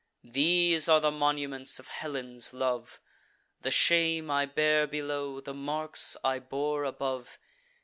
These are the monuments of Helen's love: The shame I bear below, the marks I bore above.